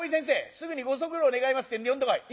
すぐにご足労願いますってんで呼んでこい。